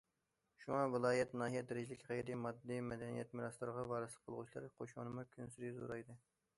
شۇڭا، ۋىلايەت، ناھىيە دەرىجىلىك غەيرىي ماددىي مەدەنىيەت مىراسلىرىغا ۋارىسلىق قىلغۇچىلار قوشۇنىمۇ كۈنسېرى زورايدى.